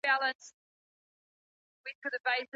قلمي خط د تاریخ په پاڼو کي د ځان ژوندی ساتل دي.